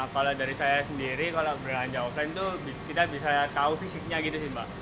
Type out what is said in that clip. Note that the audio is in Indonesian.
kalau dari saya sendiri kalau belanja offline itu kita bisa tahu fisiknya gitu sih mbak